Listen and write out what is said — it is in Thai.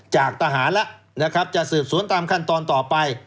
จากทหารแล้วนะครับจะสืบสวนตามขั้นตอนต่อไป